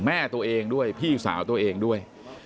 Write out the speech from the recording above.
แม่ตัวเองด้วยพี่สาวตัวเองด้วย